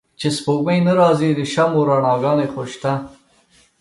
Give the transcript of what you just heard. چې سپوږمۍ نه را ځي د شمعو رڼاګا نې خوشته